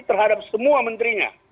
terhadap semua menterinya